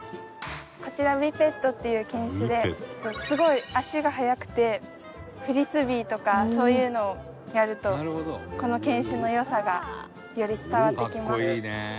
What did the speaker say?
こちらウィペットっていう犬種ですごい足が速くてフリスビーとかそういうのをやるとこの犬種の良さがより伝わってきます。